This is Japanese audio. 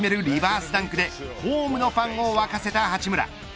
リバースダンクでホームのファンをわかせた八村。